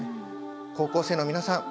高校生の皆さん